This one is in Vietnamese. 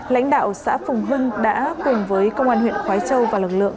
lãnh đạo xã phùng hưng đã quyền với công an huyện khoai châu và lực lượng